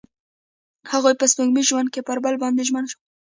هغوی په سپوږمیز ژوند کې پر بل باندې ژمن شول.